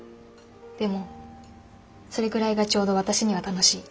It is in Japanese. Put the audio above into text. でもそれくらいがちょうど私には楽しい。